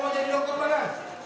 mau jadi dokter siapa lagi